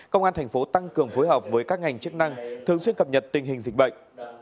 công an thành phố tăng cường phối hợp với các ngành chức năng thường xuyên cập nhật tình hình dịch bệnh